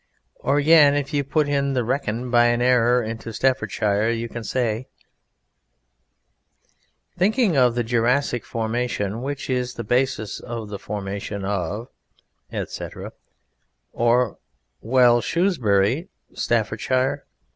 Or again, if you put the Wrekin by an error into Staffordshire, you can say, "I was thinking of the Jurassic formation which is the basis of the formation of " etc. Or, "Well, Shrewsbury ... Staffordshire?...